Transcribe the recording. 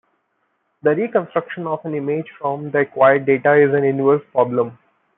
The reconstruction of an image from the acquired data is an inverse problem.